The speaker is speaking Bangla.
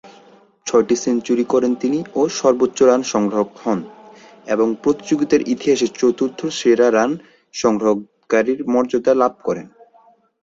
ছয়টি সেঞ্চুরি করেন তিনি ও সর্বোচ্চ রান সংগ্রাহক হন এবং প্রতিযোগিতার ইতিহাসে চতুর্থ সেরা রান সংগ্রহকারীর মর্যাদা লাভ করেন।